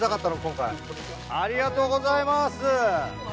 ありがとうございます！